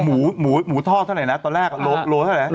หมูหมูทอดเท่าไหร่นะตอนแรกโลเท่าไหร่